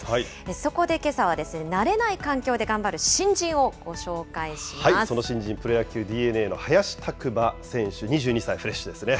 そこでけさは慣れない環境で頑張その新人、プロ野球・ＤｅＮＡの林琢真選手２２歳、フレッシュですね。